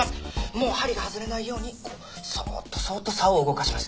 もう針が外れないようにこうそっとそっと竿を動かします。